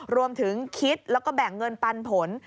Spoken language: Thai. รวมถึงคิดแล้วก็แบ่งเงินปันผล